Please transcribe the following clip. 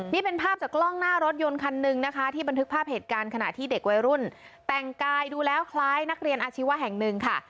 นี่เป็นภาพจากกล้องหน้ารถยนต์คันหนึ่งนะคะที่บันทึกภาพเหตุการณ์ขณะที่เด็กวัยรุ่นแต่งกายดูแล้วคล้ายนักเรียนอาชีวะแห่งหนึ่งค่ะ